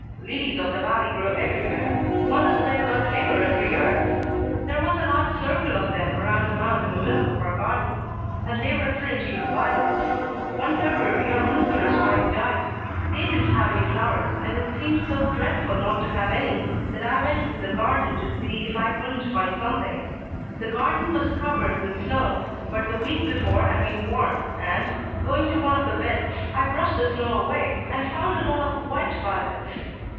"Lilies of the valley grow anywhere. Mother's bed got bigger every year. There was a large circle of them around a mound in the middle of our garden, and they were fringed with violets. One February our minister's wife died. They didn't have any flowers, and it seemed so dreadful not to have any that I went into the garden to see if I couldn't find something. The ground was covered with snow, but the week before had been warm, and, going to one of the beds, I brushed the snow away and found a lot of white violets.